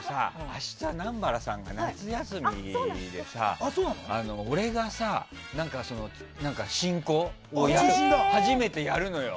明日、南原さんが夏休みで俺がさ、進行を初めてやるのよ。